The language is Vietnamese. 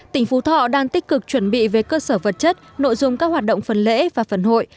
tỉnh phú thọ đang tích cực chuẩn bị về cơ sở vật chất nội dung các hoạt động phần lễ và phần hội